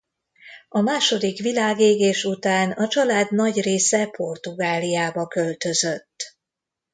A második világégés után a család nagy része Portugáliába költözött.